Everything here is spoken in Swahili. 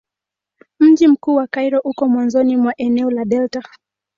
Mji mkuu wa Kairo uko mwanzoni mwa eneo la delta.